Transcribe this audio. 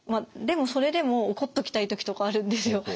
でもそれでも怒っておきたい時とかあるんですよ。